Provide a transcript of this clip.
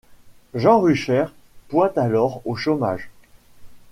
Jean Recher pointe alors au chômage.